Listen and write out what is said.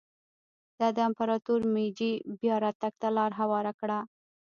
دا د امپراتور مېجي بیا راتګ ته لار هواره کړه.